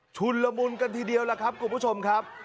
ุนละมุนกันทีเดียวล่ะครับคุณผู้ชมครับ